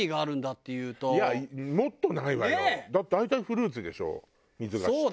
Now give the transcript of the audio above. だって大体フルーツでしょ水菓子って。